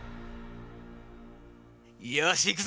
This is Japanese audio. よし行くぞ！